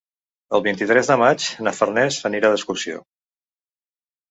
El vint-i-tres de maig na Farners anirà d'excursió.